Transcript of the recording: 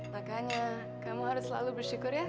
makanya kamu harus selalu bersyukur ya